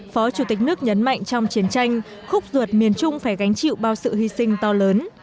phó chủ tịch nước nhấn mạnh trong chiến tranh khúc ruột miền trung phải gánh chịu bao sự hy sinh to lớn